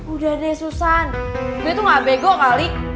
udah deh susah gue tuh gak bego kali